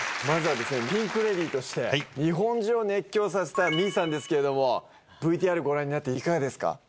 まずはですねピンク・レディーとして日本人を熱狂させた未唯ｍｉｅさんですけれどもＶＴＲご覧になっていかがですか？